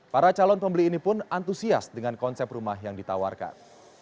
para calon pembeli ini pun antusias dengan konsep rumah yang ditawarkan